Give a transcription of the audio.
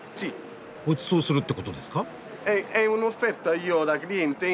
ごちそうするってことですか？